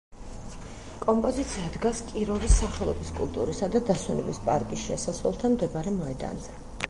კომპოზიცია დგას კიროვის სახელობის კულტურისა და დასვენების პარკის შესასვლელთან მდებარე მოედანზე.